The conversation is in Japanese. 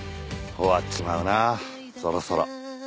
終わっちまうなあそろそろ。